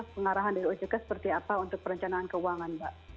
pengarahan dari ojk seperti apa untuk perencanaan keuangan mbak